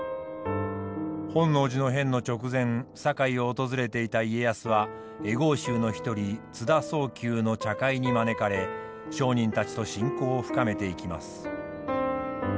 本能寺の変の直前堺を訪れていた家康は会合衆の一人津田宗及の茶会に招かれ商人たちと親交を深めていきます。